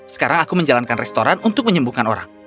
sekarang aku menjalankan restoran untuk menyembuhkan orang